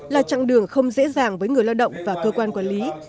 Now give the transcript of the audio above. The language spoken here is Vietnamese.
là chặng đường không dễ dàng với người lao động và cơ quan quản lý